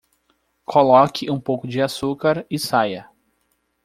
Coloque um pouco de açúcar e saia.